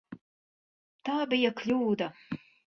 Tā bija kļūda.